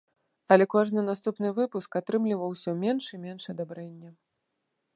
Але кожны наступны выпуск атрымліваў усё менш і менш адабрэння.